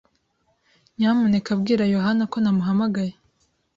Nyamuneka bwira Yohana ko nahamagaye.